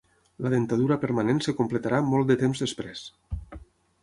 La dentadura permanent es completarà molt de temps després.